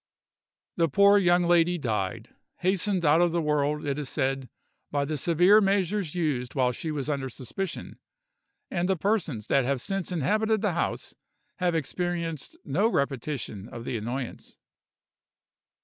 The poor young lady died, hastened out of the world, it is said, by the severe measures used while she was under suspicion; and the persons that have since inhabited the house have experienced no repetition of the annoyance.